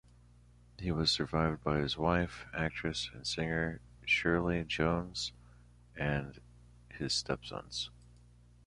He was survived by his wife, actress and singer Shirley Jones, and his stepsons.